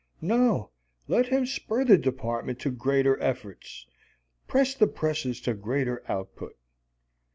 No; let him spur the department to greater efforts, press the presses to greater output.